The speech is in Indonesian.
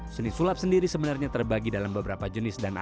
seni sulap sendiri sebenarnya terbagi dalam beberapa jenis dan alat